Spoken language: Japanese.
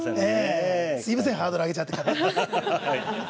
すみませんハードル上げちゃって勝手に。